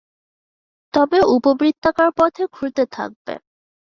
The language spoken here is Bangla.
তবে উপবৃত্তাকার পথে ঘুরতে থাকবে।